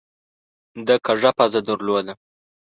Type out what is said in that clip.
ده کږه پزه درلوده.